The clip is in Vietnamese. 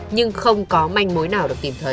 nhưng không có manh mối nào